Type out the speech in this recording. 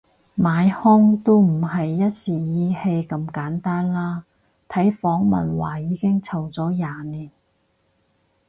買兇都唔係一時意氣咁簡單啦，睇訪問話已經嘈咗廿年